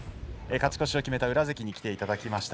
勝ち越しを決めた宇良関に来ていただきました。